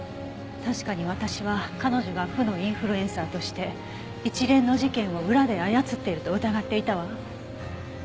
確かに私は彼女が負のインフルエンサーとして一連の事件を裏で操っていると疑っていたわ。